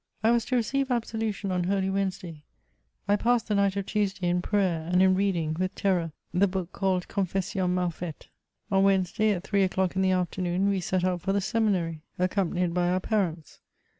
I was to receive absolution on Holy Wednesday. I passed the night of Tuesday in prayer and in reading, with terror, the book called Confessions mal faites. On Wednesday, at three o'clock in the afternoon, we set out for the seminary. CHATEAUBRIAND. 103 acoompanied by our parents.